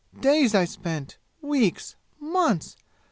Days I spent weeks! months!